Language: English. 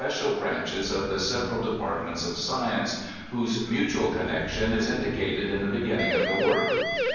Xl cial branches of the seyeral departmente of science, whose mutual connection is indicated in the beginning of the work.